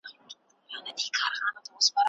هغه ماڼۍ چي موږ ورڅخه ډګر ته وړاندي ځو، لویه